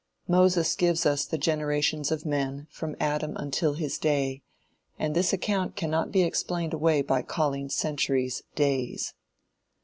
Moses gives us the generations of men from Adam until his day, and this account cannot be explained away by calling centuries, days.